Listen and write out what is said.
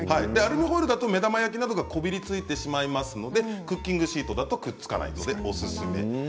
アルミホイルだと目玉焼きなどがこびりついてしまいますのでクッキングシートだとくっつかないので、おすすめ。